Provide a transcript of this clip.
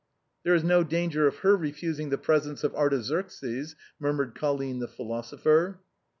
" There is no danger of her refusing the presents of Artaxerxes," murmured Colline the philosopher.